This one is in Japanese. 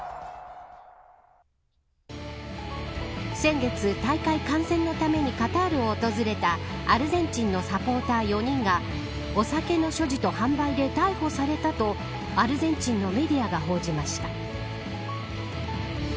先月、大会観戦のためにカタールを訪れたアルゼンチンのサポーター４人がお酒の所持と販売で逮捕されたとアルゼンチンのメディアが報じました。